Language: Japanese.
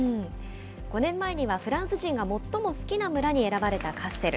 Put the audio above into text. ５年前にはフランス人が最も好きな村に選ばれたカッセル。